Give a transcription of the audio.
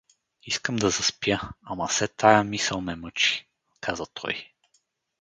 — Искам да заспя, ама се тая мисъл ме мъчи — каза той.